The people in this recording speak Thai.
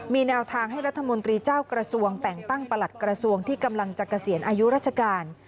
มีแนวทางให้รัฐมนตรีเจ้ากระทรวงแต่งตั้งประหลัดกระทรวงที่กำลังจะเกษียณอายุราชการ